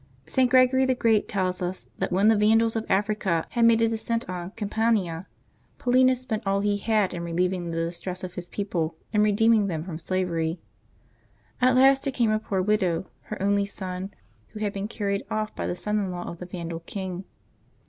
St. Gregory the Great tells ns that when the Vandals of Africa had made a descent on Campania, Pau linus spent all he had in relieving the distress of his people and redeeming them from slavery. At last there came a poor widow; her only son had been carried off by the son in law of the Vandal king.